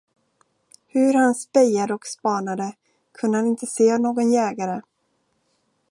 Hur han spejade och spanade, kunde han inte se någon jägare.